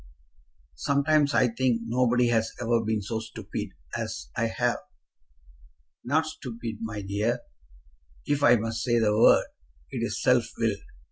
"Sometimes I think nobody has ever been so stupid as I have." "Not stupid, my dear; if I must say the word, it is self willed.